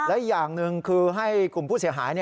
และอีกอย่างหนึ่งคือให้กลุ่มผู้เสียหาย